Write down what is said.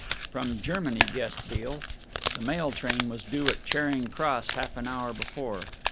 From Germany, guessed Beale. The mail train was due at Charing Cross half an hour before.